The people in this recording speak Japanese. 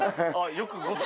よくご存じ。